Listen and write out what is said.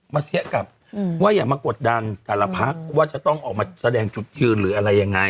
เสียกลับว่าอย่ามากดดันแต่ละพักว่าจะต้องออกมาแสดงจุดยืนหรืออะไรยังไง